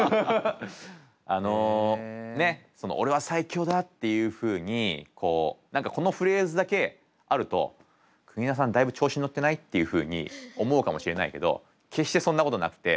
あのねっその「オレは最強だ！」っていうふうにこう何かこのフレーズだけあると「国枝さんだいぶ調子に乗ってない？」っていうふうに思うかもしれないけど決してそんなことなくて。